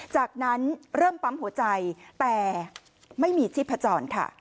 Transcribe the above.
จากนั้นเริ่มปั๊มหัวใจแต่ไม่มีชีพจรค่ะ